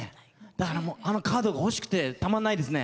だから、あのカードが欲しくてたまんないですね。